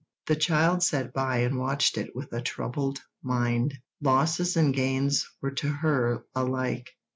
The child sat by and watched it with a troubled mind. Losses and gains were to her alike.